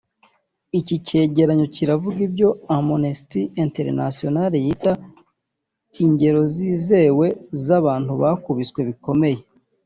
Iki cyegeranyo kiravuga ibyo Amnesty Internatianal yita ingero z’izewe z’abantu bakubiswe bikomeye